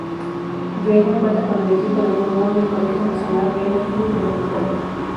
Riaño cuenta con el equipo de fútbol del Colegio Nacional Riaño Club de Fútbol.